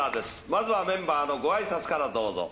まずはメンバーのごあいさつからどうぞ。